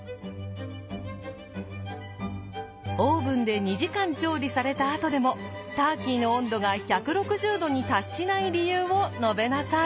オーブンで２時間調理されたあとでもターキーの温度が１６０℃に達しない理由を述べなさい。